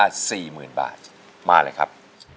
อินโทรเพลงที่๓มูลค่า๔๐๐๐๐บาทมาเลยครับ